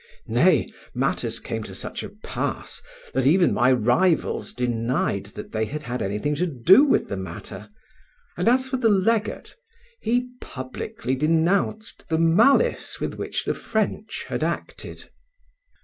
Nay, matters came to such a pass that even my rivals denied that they had had anything to do with the matter, and as for the legate, he publicly denounced the malice with which the French had acted.